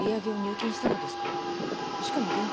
しかも現金で。